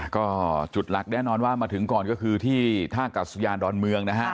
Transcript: ก็จุดหลักแน่นอนว่ามาถึงก่อนก็คือที่ท่ากัดสยานดอนเมืองนะฮะ